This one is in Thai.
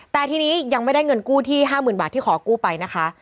แต่ทีนี้ยังไม่ได้เงินกู้ที่๕๐๐๐บาทที่ขอกู้ไปนะคะ